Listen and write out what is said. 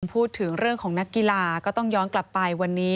พูดถึงเรื่องของนักกีฬาก็ต้องย้อนกลับไปวันนี้